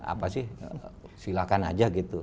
apa sih silakan aja gitu